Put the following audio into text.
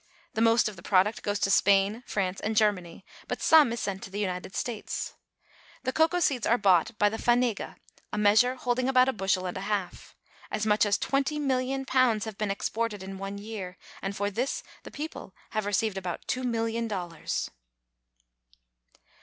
The most of the product goes to Spain, France, and Germany, but some is sent to the United States. The cacao seeds are bought by the fanega, a measure holding about a bushel and a half. As much as twenty million pounds have been exported in one year, and for this the people have received about two million dollars.